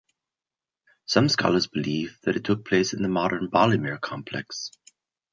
Some scholars believe that it took place in the modern Balymer complex.